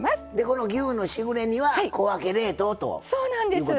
この牛のしぐれ煮は小分け冷凍ということですな。